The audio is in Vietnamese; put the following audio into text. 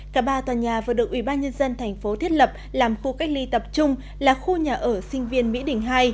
cả ba tòa nhà vừa được ubnd tp thiết lập làm khu cách ly tập trung là khu nhà ở sinh viên mỹ đình hai